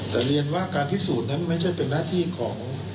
แต่เรียนว่าการพิสูจน์นั้นไม่ใช่เป็นหน้าที่ของ